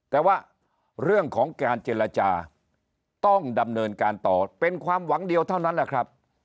แต่ว่าเรื่องของการเจรจาต้องดำเนินการต่อเป็นความหวังเดียวเท่านั้นแหละครับ